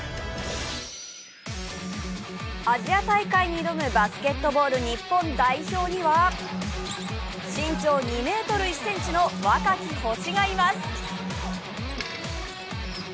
アジア大会に挑むバスケットボール日本代表には身長２ｍ１ｃｍの若き星がします。